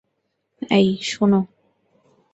এই, শোনো।